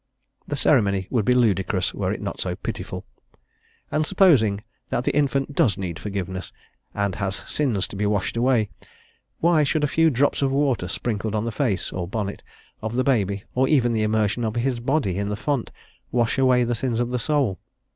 The ceremony would be ludicrous were it not so pitiful. And supposing that the infant does need forgiveness, and has sins to be washed away, why should a few drops of water, sprinkled on the face or bonnet of the baby, or even the immersion of his body in the font, wash away the sins of his soul?